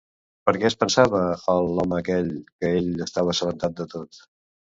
Per què es pensava el l'home que ell estava assabentat de tot?